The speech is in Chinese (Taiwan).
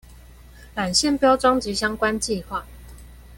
纜線標章及相關計畫